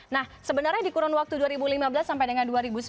nah sebenarnya di kurun waktu dua ribu lima belas sampai dengan dua ribu sembilan belas